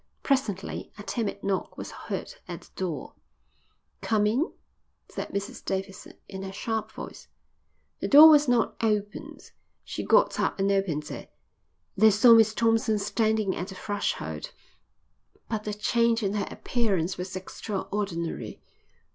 Presently a timid knock was heard at the door. "Come in," said Mrs Davidson, in her sharp voice. The door was not opened. She got up and opened it. They saw Miss Thompson standing at the threshold. But the change in her appearance was extraordinary.